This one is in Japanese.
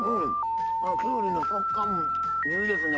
きゅうりの食感もいいですね